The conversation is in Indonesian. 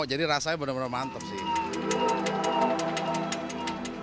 jadi rasanya benar benar mantap sih